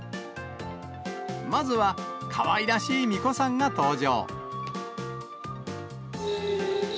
まずは、かわいらしいみこさんが登場。